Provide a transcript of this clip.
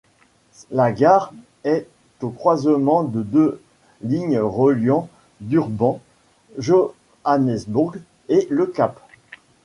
La gare est au croisement de deux lignes reliant Durban, Johannesburg et Le Cap.